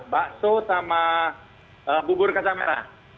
bakso sama bubur kaca merah